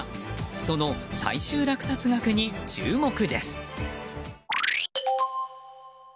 その最終落札額に注目です。